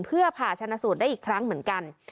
เพื่อผ่าชนะสูตรได้อีกครั้งเหมือนกัน